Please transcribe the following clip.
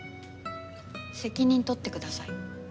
責任取ってください。